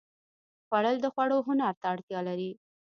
خوړل د خوړو هنر ته اړتیا لري